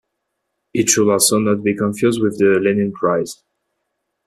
It should also not be confused with the Lenin Prize.